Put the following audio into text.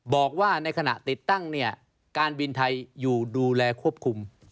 บอกว่าในขณะติดตั้งเนี่ยการบินไทยอยู่ดูแลควบคุม